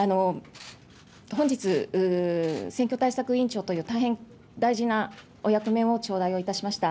本日、選挙対策委員長という大変大事なお役目を頂戴をいたしました。